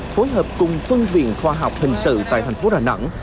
phối hợp cùng phân viện khoa học hình sự tại thành phố đà nẵng